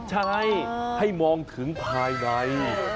ใช่ให้มองถึงภายใน